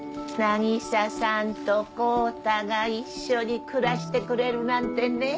渚さんと康太が一緒に暮らしてくれるなんてねえ。